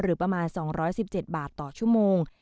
ประมาณ๒๑๗บาทต่อชั่วโมง